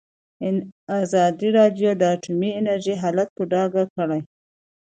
ازادي راډیو د اټومي انرژي حالت په ډاګه کړی.